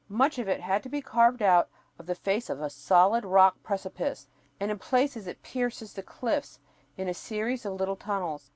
Much of it had to be carved out of the face of a solid rock precipice and in places it pierces the cliffs in a series of little tunnels.